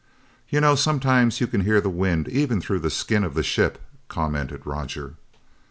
"You know, sometimes you can hear the wind even through the skin of the ship," commented Roger.